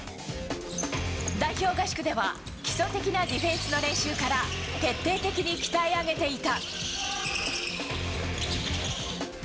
代表合宿では基礎的なディフェンスの練習から徹底的に鍛え上げていた。